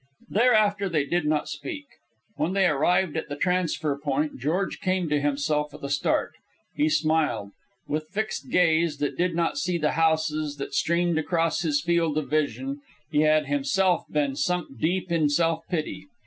Thereafter they did not speak. When they arrived at the transfer point, George came to himself with a start. He smiled. With fixed gaze that did not see the houses that streamed across his field of vision, he had himself been sunk deep in self pity.